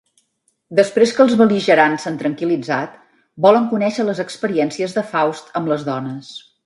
Després que els bel·ligerants s'han tranquil·litzat, volen conèixer les experiències de Faust amb les dones.